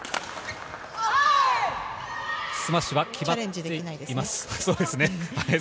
スマッシュは決まっています。